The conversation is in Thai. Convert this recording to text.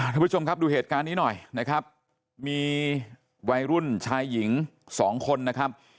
ทุกผู้ชมครับดูเหตุการณ์นี้หน่อยนะครับมีวัยรุ่นชายหญิงสองคนนะครับ